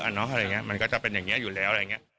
อะไรอย่างนี้มันก็จะเป็นอย่างนี้อยู่แล้ว